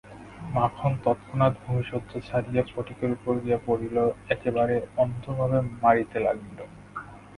মাখন তৎক্ষণাৎ ভূমিশয্যা ছাড়িয়া ফটিকের উপরে গিয়া পড়িল, একেবারে অন্ধভাবে মারিতে লাগিল।